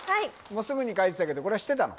すぐに書いてたけどこれは知ってたの？